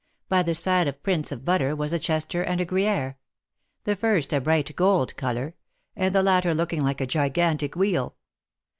By the side of prints of butter was a Chester and a Gruyere: the first a bright gold color, and the latter looking like a gigantic wheel.